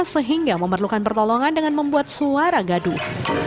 sehingga memerlukan pertolongan dengan membuat suara gaduh